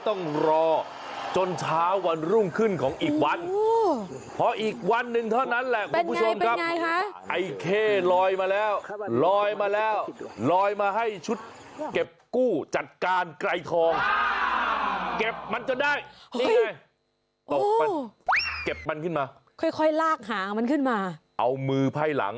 ตอนตั้งคืนของที่นั่นจับไม่ได้ครับเพราะว่าสุดท้ายจราเขตตัวนี้มันซ่อนเกร็งจริง